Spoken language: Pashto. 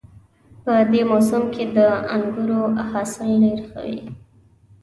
په دې موسم کې د انګورو حاصل ډېر ښه وي